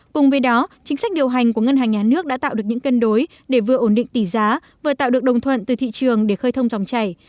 cùng với đó chính sách điều hành của ngân hàng nhà nước đã tạo được những cân đối để vừa ổn định tỷ giá vừa tạo được đồng thuận từ thị trường để khơi thông dòng chảy